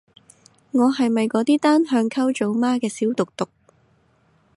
我係咪嗰啲單向溝組媽嘅小毒毒